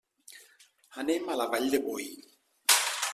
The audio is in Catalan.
Anem a la Vall de Boí.